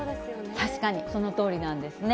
確かにそのとおりなんですね。